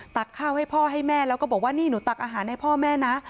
ตักข้าวให้พ่อให้แม่แล้วก็บอกว่านี่หนูตักอาหารให้พ่อแม่นะ